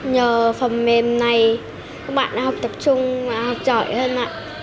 nhờ phần mềm này các bạn đã học tập trung học giỏi hơn ạ